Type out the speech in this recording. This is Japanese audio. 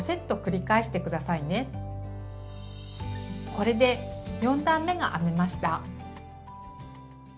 これで４段めが編めました。